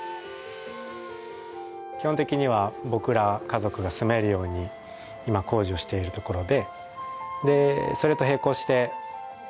基本的には僕ら家族が住めるように今工事をしているところで。